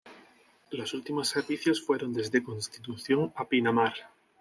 Los últimos servicios fueron desde Constitución a Pinamar.